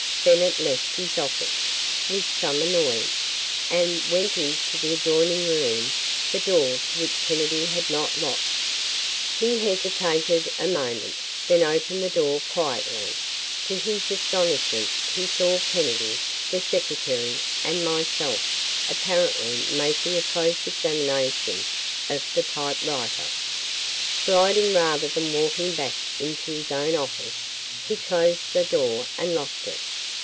Bennett left his office, with some annoyance, and went into the adjoining room the door to which Kennedy had not locked. He hesitated a moment, then opened the door quietly. To his astonishment, he saw Kennedy, the secretary, and myself apparently making a close examination of the typewriter. Gliding rather than walking back into his own office, he closed the door and locked it.